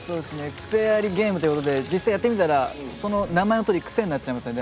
クセありゲームということで、実際やってみたらその名前のとおりクセになっちゃいますね。